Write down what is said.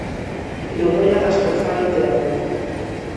Novela das que fai literatura.